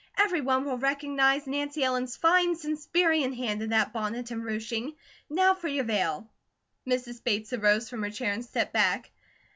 Everyone will recognize Nancy Ellen's fine Spencerian hand in that bonnet and ruching. Now for your veil!" Mrs. Bates arose from her chair, and stepped back.